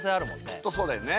きっとそうだよね